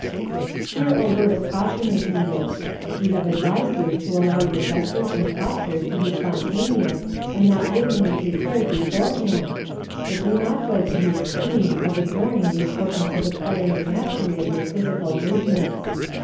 Here a word of caution is needed. We have advised you to allow your gestures and postures to be spontaneous and not woodenly prepared beforehand, but do not go to the extreme of ignoring the importance of acquiring mastery of your physical movements.